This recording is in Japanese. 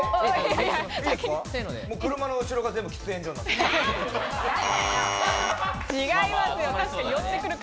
車の後ろが全部喫煙所になってる。